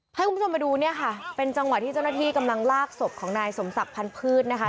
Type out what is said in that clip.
ให้คุณผู้ชมมาดูเนี่ยค่ะเป็นจังหวะที่เจ้าหน้าที่กำลังลากศพของนายสมศักดิ์พันธ์พืชนะคะ